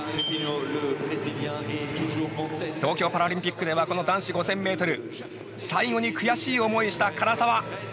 東京パラリンピックではこの男子５０００ｍ最後に悔しい思いをした唐澤。